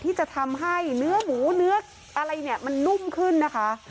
ที่จะทำให้เนื้อหมูเนื้ออะไรเนี่ยมันนุ่มขึ้นนะคะ